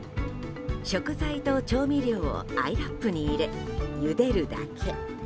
食材と調味料をアイラップに入れゆでるだけ。